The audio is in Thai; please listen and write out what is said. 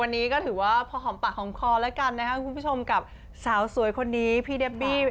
วันนี้ก็ถือว่าพอหอมปากหอมคอแล้วกันนะครับคุณผู้ชมกับสาวสวยคนนี้พี่เดบบี้